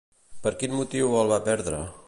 Per quin motiu el va perdre?